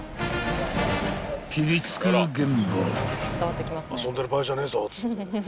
［ピリつく現場］